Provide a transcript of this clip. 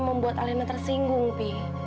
membuat alena tersinggung pi